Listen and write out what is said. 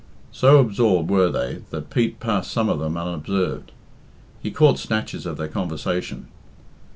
So absorbed were they that Pete passed some of them unobserved. He caught snatches of their conversation.